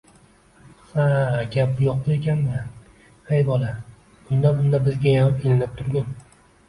– Ha-a, gap bu yoqda ekan-da? Hey bola, unda-bunda bizgayam ilinib turgin